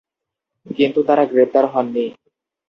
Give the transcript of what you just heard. কিন্তু তাঁরা গ্রেপ্তার হন নি।